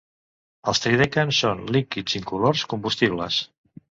Els tridecans són líquids incolors combustibles.